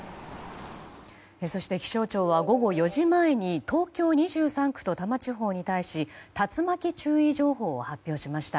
そして気象庁は午後４時前に東京２３区と多摩地方に対し竜巻注意情報を発表しました。